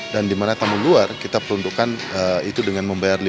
dan di mana tamu luar kita peruntukkan itu dengan membayar lima gratis